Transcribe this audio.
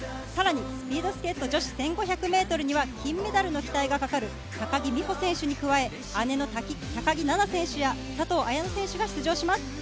さらにスピードスケート女子１５００ｍには金メダルの期待がかかる高木美帆選手に加え、姉の高木菜那選手や佐藤綾乃選手が出場します。